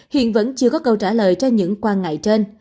hiện vẫn chưa có câu trả lời cho những quan ngại trên